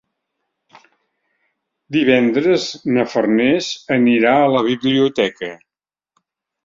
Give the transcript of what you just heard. Divendres na Farners anirà a la biblioteca.